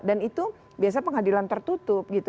dan itu biasa pengadilan tertutup gitu